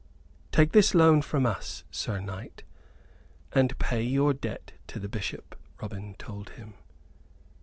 "Take this loan from us, Sir Knight, and pay your debt to the Bishop," Robin told him.